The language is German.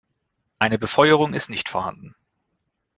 Eine Befeuerung ist nicht vorhanden.